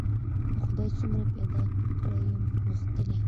چي خدای څومره پیدا کړی یم غښتلی